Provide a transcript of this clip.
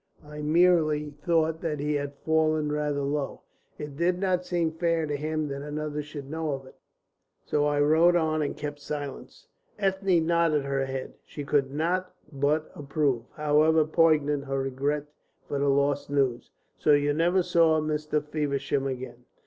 I merely thought that he had fallen rather low. It did not seem fair to him that another should know of it. So I rode on and kept silence." Ethne nodded her head. She could not but approve, however poignant her regret for the lost news. "So you never saw Mr. Feversham again?"